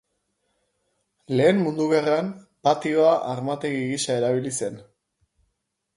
Lehen Mundu Gerran, patioa armategi gisa erabili zen.